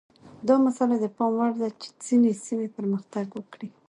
دا مسئله د پام وړ ده چې ځینې سیمې پرمختګ وکړي.